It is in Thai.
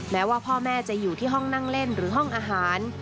แม้ว่าพ่อแม่จะอยู่ที่ห้องนั่งเล่นหรือห้องอาหาร